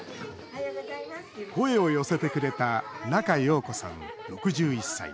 声を寄せてくれた仲葉子さん、６１歳。